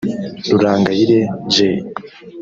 Rurangayire Giy